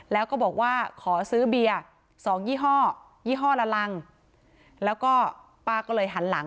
แล้วก็บอกว่าขอซื้อเบียร์๒ยี่ห้อยี่ห้อละรังแล้วก็ป้าก็เลยหันหลัง